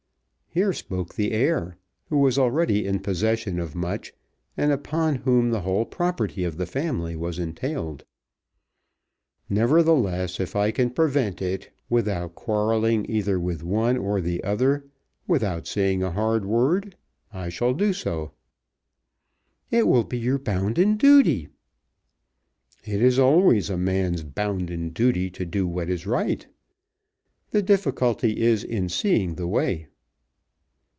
Here spoke the heir, who was already in possession of much, and upon whom the whole property of the family was entailed. "Nevertheless if I can prevent it, without quarrelling either with one or the other, without saying a hard word, I shall do so." "It will be your bounden duty." "It is always a man's bounden duty to do what is right. The difficulty is in seeing the way."